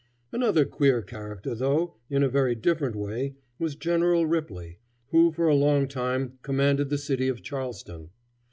Another queer character, though in a very different way, was General Ripley, who for a long time commanded the city of Charleston.